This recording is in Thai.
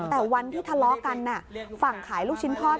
แต่วันที่ทะเลาะกันฝั่งขายลูกชิ้นทอด